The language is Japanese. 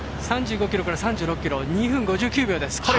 ３５ｋｍから３６ｋｍ２分５９秒です。